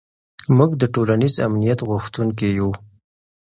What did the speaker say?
موږ د ټولنیز امنیت غوښتونکي یو.